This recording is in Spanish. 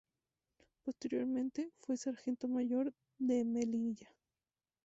Posteriormente, fue sargento mayor de Melilla.